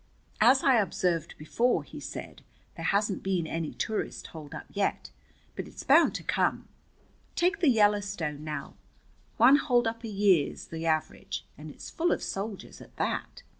"As I observed before," he said, "there hasn't been any tourist holdup yet. But it's bound to come. Take the Yellowstone, now, one holdup a year's the average, and it's full of soldiers at that."